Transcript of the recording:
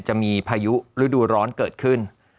จะมีพายุฤดูร้อนเกิดขึ้น